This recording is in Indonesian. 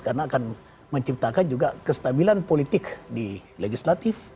karena akan menciptakan juga kestabilan politik di legislatif